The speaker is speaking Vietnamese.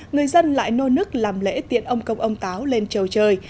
người dân lại nô nức làm lễ tiện ông công ông táo lên trầu trời